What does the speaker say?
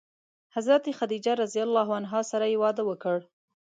حضرت خدیجه رض سره یې واده وکړ.